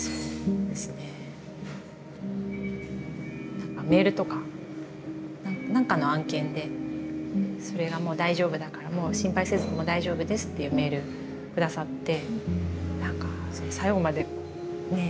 何かメールとか何かの案件で「それはもう大丈夫だからもう心配せずにもう大丈夫です」っていうメール下さって何か最後までねえ